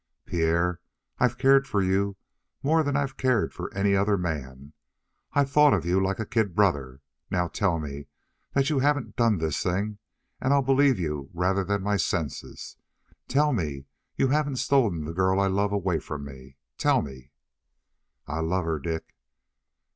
"Pierre, I've cared for you more than I've cared for any other man. I've thought of you like a kid brother. Now tell me that you haven't done this thing, and I'll believe you rather than my senses. Tell me you haven't stolen the girl I love away from me; tell me " "I love her, Dick."